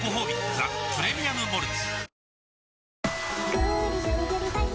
ザ・プレミアム・モルツ」